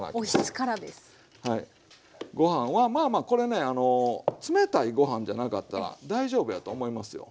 ご飯はまあまあこれね冷たいご飯じゃなかったら大丈夫やと思いますよ。